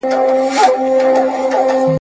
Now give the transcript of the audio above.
که سړی هر څه ناروغ وو په ځان خوار وو ..